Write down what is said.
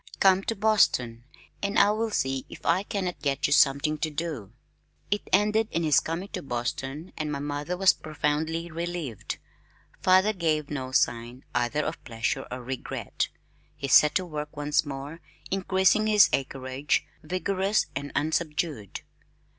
Come to Boston, and I will see if I cannot get you something to do." It ended in his coming to Boston, and my mother was profoundly relieved. Father gave no sign either of pleasure or regret. He set to work once more increasing his acreage, vigorous and unsubdued.